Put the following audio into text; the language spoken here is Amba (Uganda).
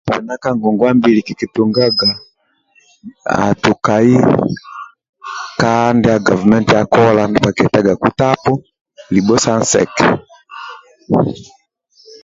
Libho ka ngongua mbili kikitunga haa tukai ka ndia Gavumenti akola ndia bhakigiyagaku sa tapu libho sa nsenke